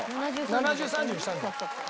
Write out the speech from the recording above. ７０３０にしたんだよ。